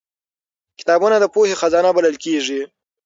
کتابونه د پوهې خزانه بلل کېږي